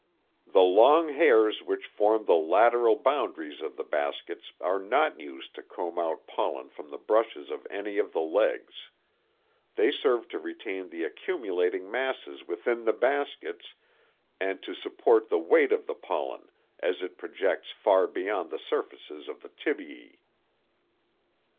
The long hairs which form the lateral boundaries of the baskets are not used to comb out pollen from the brushes of any of the legs. They serve to retain the accumulating masses within the baskets and to support the weight of the pollen, as it projects far beyond the surfaces of the tibiæ.